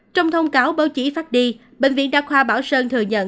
trong thông cáo báo chí phát đi bệnh viện đa khoa bảo sơn thừa nhận